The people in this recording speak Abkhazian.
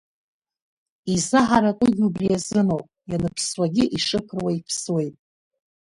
Изаҳаракугьы убри азыноуп, ианыԥсуагьы ишыԥыруа иԥсуеит.